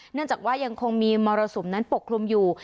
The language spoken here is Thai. เนื่องจากว่ายังคงมีมรสุมนั้นปกคลุมอยู่